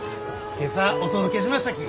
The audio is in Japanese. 今朝お届けしましたき。